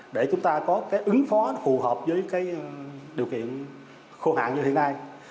để chúng ta có ứng phó phù hợp với điều kiện khô hạn như hiện nay